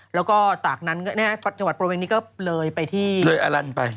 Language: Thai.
แล้วก็จังหวัดโปรเวงนี้ก็เลยไปที่เลยอลันท์ไป